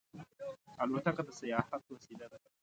الوتکه د سیاحت وسیله ده.